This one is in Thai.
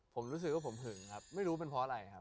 ผมรู้สึกว่าผมหึงครับไม่รู้เป็นเพราะอะไรครับ